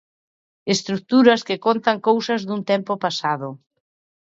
Estruturas que contan cousas dun tempo pasado.